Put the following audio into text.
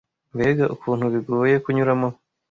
Mbega ukuntu bigoye kunyuramo!